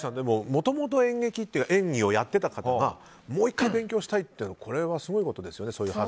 もともと演技をやっていた方がもう１回勉強したいってすごいことですよね。